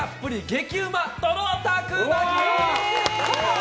激ウマとろたく巻き。